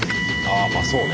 あまあそうね。